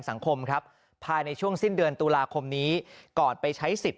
สังคมครับภายในช่วงสิ้นเดือนตุลาคมนี้ก่อนไปใช้สิทธิ์